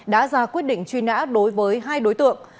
đã ra quyết định truy nã đối với hai đối tượng